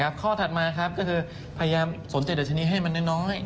นะครับข้อถัดมาครับก็คือพยายามสนเจ็ดอาชีพนี้ให้มันน้อย